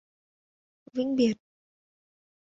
vĩnh biệt